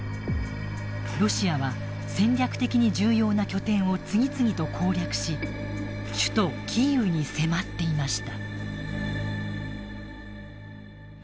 ロシアは戦略的に重要な拠点を次々と攻略し首都キーウに迫っていました。